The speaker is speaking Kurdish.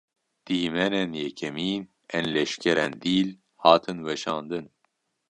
Dîmenên yekemîn ên leşkerên dîl, hatin weşandin